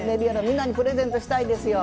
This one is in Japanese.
みんなにプレゼントしたいですよ。